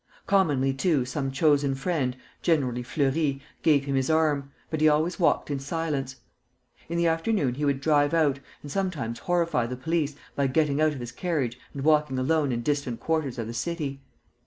Commonly too some chosen friend, generally Fleury, gave him his arm, but he always walked in silence. In the afternoon he would drive out, and sometimes horrify the police by getting out of his carriage and walking alone in distant quarters of the city.